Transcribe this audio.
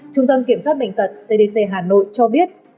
trung tâm kiểm soát bệnh tật cdc hà nội cho biết